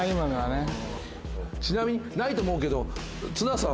ちなみにないと思うけど。